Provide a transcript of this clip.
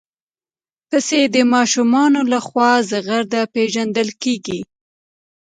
پسه د ماشومانو لخوا زغرده پېژندل کېږي.